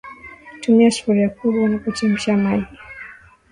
Tumia sufuria kubwa unapochemsha maji